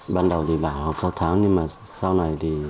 ban đầu thì bảo học sáu tháng nhưng mà sau này thì